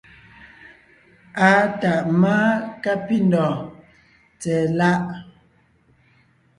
Àa tàʼ máa kápindɔ̀ɔn tsɛ̀ɛ láʼ.